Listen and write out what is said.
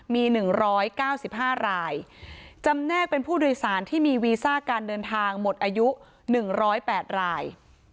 มีหนึ่งร้อยเก้าสิบห้ารายจำแนกเป็นผู้โดยสารที่มีวีซาการเดินทางหมดอายุหนึ่งร้อยแปดราย